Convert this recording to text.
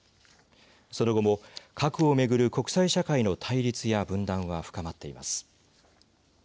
その後も、核を巡る国際社会の対立や分断は深まっています。